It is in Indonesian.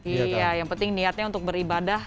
iya yang penting niatnya untuk beribadah